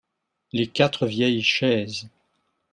Les quatre vieilles chaises.